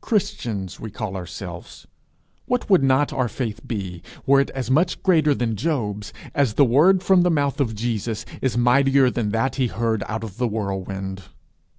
Christians we call ourselves! what would not our faith be, were it as much greater than Job's as the word from the mouth of Jesus is mightier than that he heard out of the whirlwind!